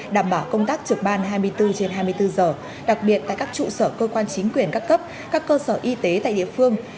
đảm bảo công tác trực ban hai mươi bốn trên hai mươi bốn giờ đặc biệt tại các trụ sở cơ quan chính quyền các cấp các cơ sở y tế tại địa phương